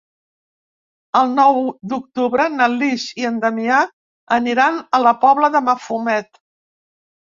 El nou d'octubre na Lis i en Damià aniran a la Pobla de Mafumet.